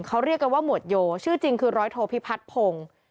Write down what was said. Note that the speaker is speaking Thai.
เขาเรียกกันว่าหมวดโยชื่อจริงคือร้อยโทพิพัฒน์พงศ์